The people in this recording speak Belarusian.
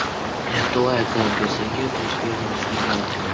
Не тое, каб без яе тут вельмі сумавалі.